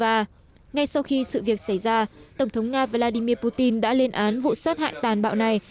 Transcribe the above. ngay sau khi sự việc xảy ra tổng thống nga vladimir putin đã lên án vụ sát hại tàn bạo này